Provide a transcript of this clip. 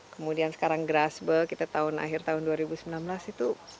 kemudian sekarang grassberg kita tahun akhir tahun dua ribu sembilan belas itu